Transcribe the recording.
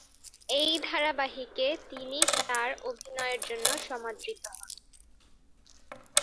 এই ধারাবাহিকে তিনি তার অভিনয়ের জন্য সমাদৃত হন।